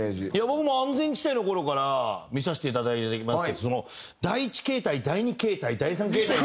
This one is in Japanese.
僕も安全地帯の頃から見させていただいてますけど第１形態第２形態第３形態。